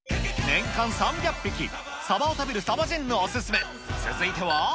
年間３００匹、サバを食べるサバジェンヌお勧め、続いては。